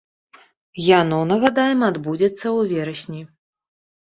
Яно, нагадаем, адбудзецца ў верасні.